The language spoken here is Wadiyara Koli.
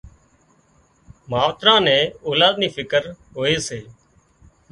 ماوتران نين اولاد نِي فڪر هوئي سي